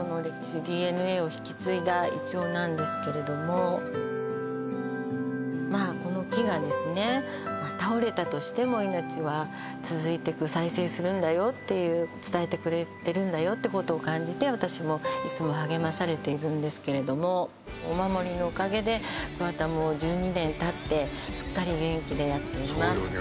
ＤＮＡを引き継いだ銀杏なんですけれどもまあこの木がですね再生するんだよっていう伝えてくれてるんだよってことを感じて私もいつも励まされているんですけれどもお守りのおかげで桑田も１２年たってすっかり元気でやっていますそうよね